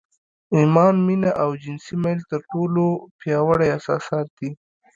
ايمان، مينه او جنسي ميل تر ټولو پياوړي احساسات دي.